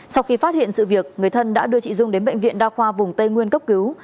sau khi phát hiện sự việc người thân đã đưa chị dung đến bệnh viện đa khoa vùng tây nguyên cấp cứu